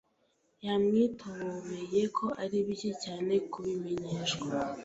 Yamwitobobobeye ko ari bike cyane kubimenyeshwa.